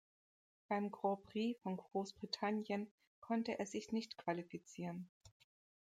Beim Grand Prix von Großbritannien konnte er sich nicht qualifizieren.